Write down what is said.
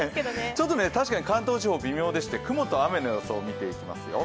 ちょっと確かに関東地方、微妙でして、雲と雨の予想を見ていきますよ。